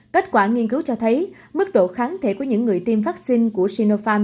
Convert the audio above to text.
kết quả nghiên cứu cho thấy mức độ kháng thể của những người tiêm vaccine của sinopharm